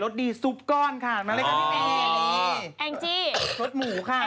ทีง่ายมากจริงใช่ไหมคะ